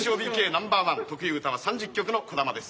ナンバーワン得意歌は３０曲の児玉です。